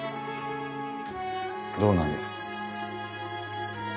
どうなんです？